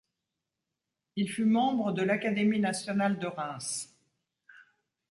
Il fut membre de l'Académie nationale de Reims.